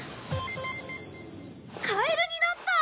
カエルになった！